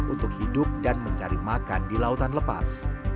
untuk hidup dan mencari makan di lautan lepas